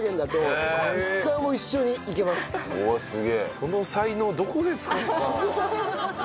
その才能どこで使うんですか？